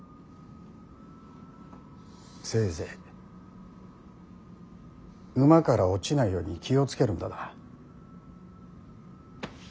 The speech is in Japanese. せいぜい馬から落ちないように気を付けるんだな。